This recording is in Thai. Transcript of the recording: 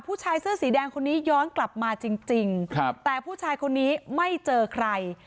ผู้ชายเสื้อสีแดงคนนี้ย้อนกลับมาจริงครับแต่ผู้ชายคนนี้ไม่เจอใคร